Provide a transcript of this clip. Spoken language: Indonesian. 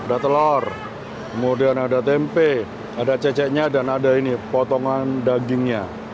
ada telur kemudian ada tempe ada ceceknya dan ada ini potongan dagingnya